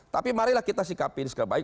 tapi marilah kita sikapi ini sekali